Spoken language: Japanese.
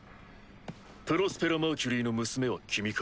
プロスペラ・マーキュリーの娘は君か？